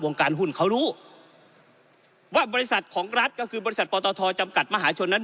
การหุ้นเขารู้ว่าบริษัทของรัฐก็คือบริษัทปตทจำกัดมหาชนนั้น